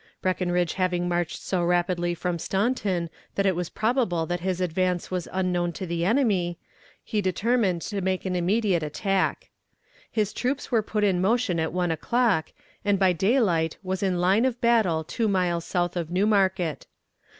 Breckinridge having marched so rapidly from Staunton that it was probable that his advance was unknown to the enemy, he determined to make an immediate attack. His troops were put in motion at one o'clock, and by daylight was in line of battle two miles south of New Market.